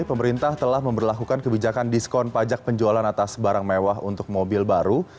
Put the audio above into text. pemerintah telah memperlakukan kebijakan diskon pajak penjualan atas barang mewah untuk mobil baru